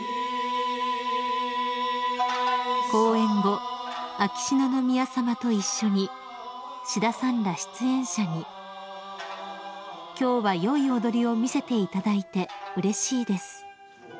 ［公演後秋篠宮さまと一緒に志田さんら出演者に「今日は良い踊りを見せていただいてうれしいです」